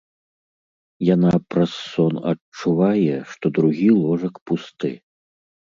Яна праз сон адчувае, што другі ложак пусты.